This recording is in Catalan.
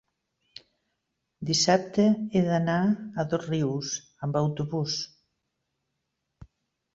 dissabte he d'anar a Dosrius amb autobús.